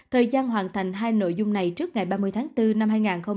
thời gian hoàn thành hai nội dung này trước ngày ba mươi tháng bốn năm hai nghìn hai mươi